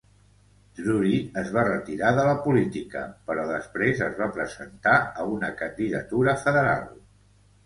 Drury es va retirar de la política, però després es va presentar a una candidatura federal.